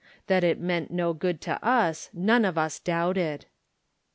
That it meant no good to us none of us doubted.